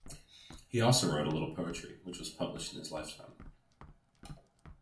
He also wrote a little poetry which was published in his lifetime.